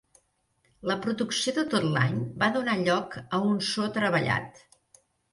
La producció de tot l'any va donar lloc a un so treballat.